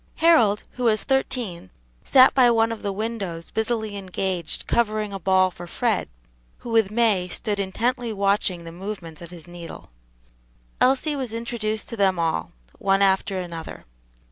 Harold, who was thirteen, sat by one of the windows busily engaged covering a ball for Fred, who with May stood intently watching the movements of his needle. Elsie was introduced to them all, one after another.